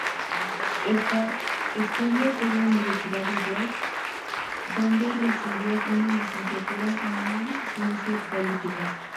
Estudió a la Universidad de York, donde recibió una licenciatura en la ciencia política.